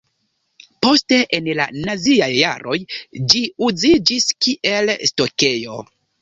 Poste en la naziaj jaroj ĝi uziĝis kiel stokejo.